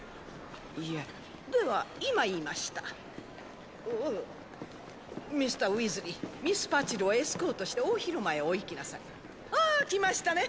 いいえでは今言いましたおおミスターウィーズリーミスパチルをエスコートして大広間へお行きなさいああ来ましたね